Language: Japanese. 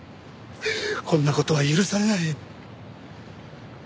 こんな事は許されない。